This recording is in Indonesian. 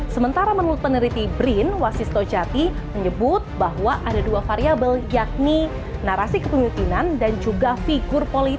sementara menurut peneliti brin wasistojati menyebut bahwa ada dua variable yakni narasi kepemimpinan dan juga figur